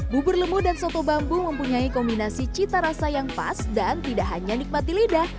bubur lemu dan soto bambu mempunyai kombinasi cita rasa yang pas dan tidak hanya nikmati lidah